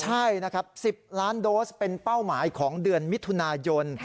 ใช่นะครับ๑๐ล้านโดสเป็นเป้าหมายของเดือนมิถุนายน